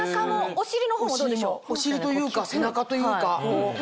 お尻もお尻というか背中というか。